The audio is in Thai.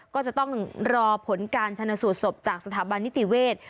ก็จะต้องรอผลการชนะสูตรศพจากสถาบันนิติเวทย์